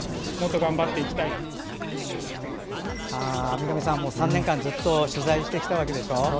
三上さんも３年間ずっと取材してきたわけでしょ。